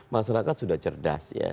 masyarakat sudah cerdas ya